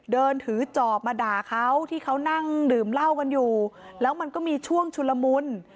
เดินถือจอบมาด่าเขาที่เขานั่งดื่มเหล้ากันอยู่แล้วมันก็มีช่วงชุลมุน